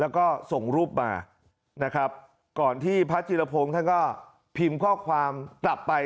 แล้วก็ส่งรูปมานะครับก่อนที่พระจิรพงศ์ท่านก็พิมพ์ข้อความกลับไป